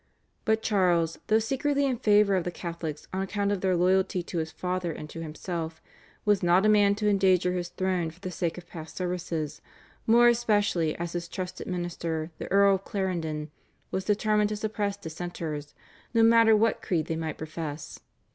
But Charles, though secretly in favour of the Catholics on account of their loyalty to his father and to himself, was not a man to endanger his throne for the sake of past services, more especially as his trusted minister, the Earl of Clarendon, was determined to suppress Dissenters no matter what creed they might profess.